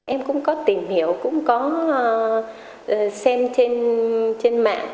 em cũng có tìm hiểu cũng có xem trên mạng